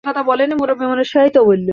তিনি নেতৃত্ব গ্রহণ করতে পারেননি।